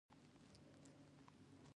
په همدې ټېل ماټېل کې جال یو دم ډېر دروند شو.